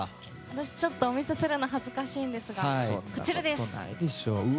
私、ちょっとお見せするの恥ずかしいんですがこちらです。